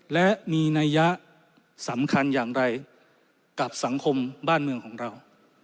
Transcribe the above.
และมีนัยยะสำคัญอย่างไรกับสังคมบ้านเมืองของเรา